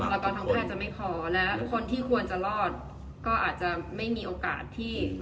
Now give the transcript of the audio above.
และคนที่ควรจะรอดก็อาจจะไม่มีโอกาสที่จะ